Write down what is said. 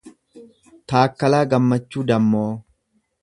Taakkalaa Gammachuu Dammoo